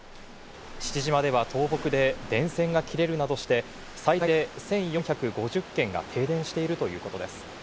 父島では倒木で電線が切れるなどして最大で１４５０軒が停電しているということです。